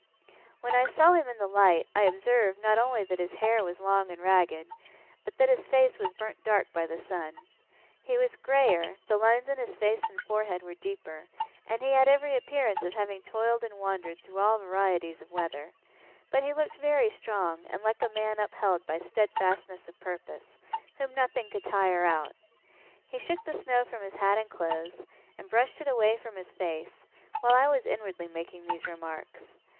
When I saw him in the light, I observed, not only that his hair was long and ragged, but that his face was burnt dark by the sun. He was greyer, the lines in his face and forehead were deeper, and he had every appearance of having toiled and wandered through all varieties of weather; but he looked very strong, and like a man upheld by steadfastness of purpose, whom nothing could tire out. He shook the snow from his hat and clothes, and brushed it away from his face, while I was inwardly making these remarks.